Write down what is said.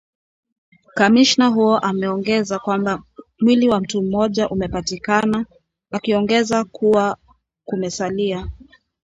Kamishina huyo ameongeza kwamba mwili wa mtu mmoja umepatikana akiongeza kuwa kumesalia